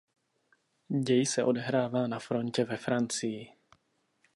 Děj se odehrává na frontě ve Francii.